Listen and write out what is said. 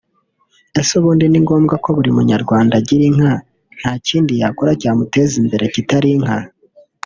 Ese ubundi ni ngombwa ko buri munyarwanda agira inka nta kindi yakora cyamuteza imbere kitari inka